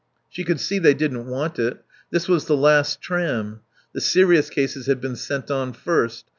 She could see they didn't want it. This was the last tram. The serious cases had been sent on first.